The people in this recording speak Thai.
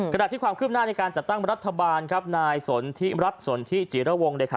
ขณะที่ความขึ้นหน้าในการจะตั้งรัฐบาลครับนายสนที่รัฐสนที่จีรวงได้ค่ะ